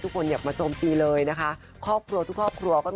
พิมพูก้รพปฏิเสธซากษีใจของแม่แม่ค่ะ